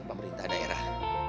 kita akan pemerintah daerah